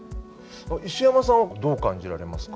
石山さんはどう感じられますか？